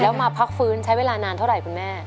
แล้วมาพักฟื้นใช้เวลานานเท่าไหร่คุณแม่